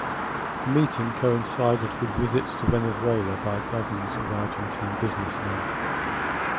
The meeting coincided with visits to Venezuela by dozens of Argentine businessmen.